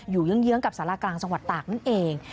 เยื้องกับสารากลางจังหวัดตากนั่นเอง